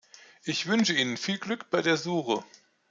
Ich wünsche Ihnen viel Glück bei der Suche!